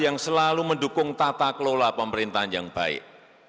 yang selalu mendukung tata kelola pemerintahan yang baik